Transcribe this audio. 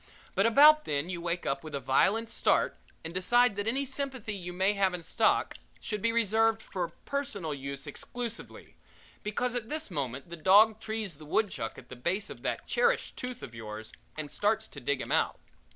But about then you wake up with a violent start and decide that any sympathy you may have in stock should be reserved for personal use exclusively, because at this moment the dog trees the woodchuck at the base of that cherished tooth of yours and starts to dig him out.